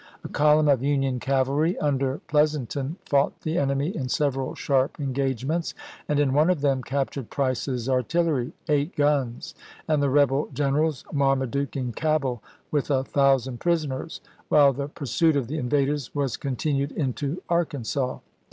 A column of Union cavalry under Pleasonton fought the enemy in several sharp engagements, and in one of them captured Price's artillery — eight guns — and the rebel generals Marmaduke and Cabell, with a thousand prisoners, while the pur suit of the invaders was continued into Arkansas.